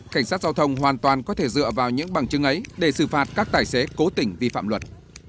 cảnh sát giao thông hoàn toàn có thể dựa vào những bằng chứng ấy để xử phạt các tài xế cố tỉnh vi phạm luật